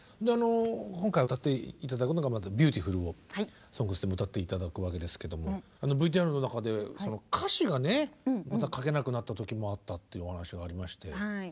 今回歌って頂くのが「Ｂｅａｕｔｉｆｕｌ」を「ＳＯＮＧＳ」でも歌って頂くわけですけどもＶＴＲの中で歌詞がねまた書けなくなった時もあったというお話がありまして。